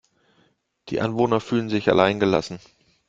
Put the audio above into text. Die Anwohner fühlen sich allein gelassen.